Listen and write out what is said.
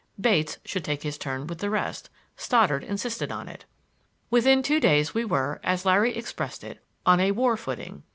Bates should take his turn with the rest—Stoddard insisted on it. Within two days we were, as Larry expressed it, on a war footing.